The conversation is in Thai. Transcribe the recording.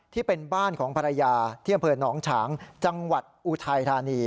ที่เป็นบ้านของภรรยาที่อำเภอหนองฉางจังหวัดอุทัยธานี